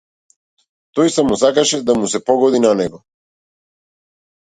Тој само сакаше да му се погоди на него.